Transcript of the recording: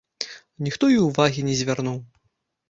Ніхто і ўвагі не звярнуў.